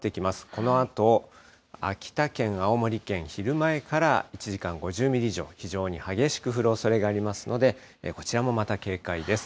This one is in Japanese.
このあと秋田県、青森県、昼前から、１時間に５０ミリ以上、非常に激しく降るおそれがありますので、こちらもまた警戒です。